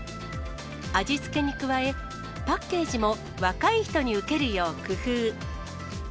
味付けに加え、パッケージも、若い人に受けるよう工夫。